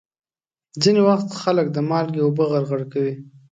ځینې وخت خلک د مالګې اوبه غرغره کوي.